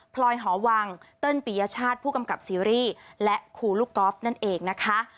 พลอยหอวังเติ้ลปียชาติผู้กำกับซีรีส์และครูลูกก๊อฟนั่นเองนะคะ